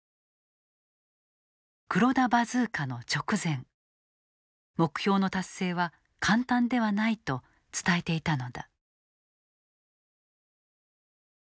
黒田バズーカの直前目標の達成は簡単ではないと伝えていたのだ。